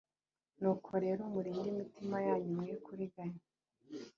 nuko rero murinde imitima yanyu mwe kuriganya